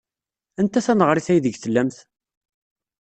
Anta taneɣrit aydeg tellamt?